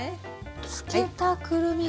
漬けたくるみ